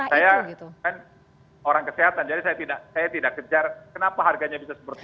saya kan orang kesehatan jadi saya tidak kejar kenapa harganya bisa seperti itu